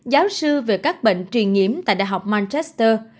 giáo sư về các bệnh truyền nhiễm tại đại học manchester